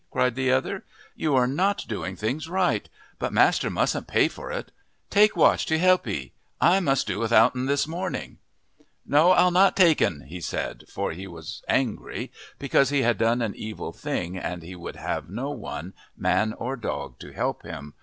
cried the other. "You are not doing things right, but master mustn't pay for it. Take Watch to help 'ee I must do without'n this morning." "No, I'll not take'n," he said, for he was angry because he had done an evil thing and he would have no one, man or dog, to help him.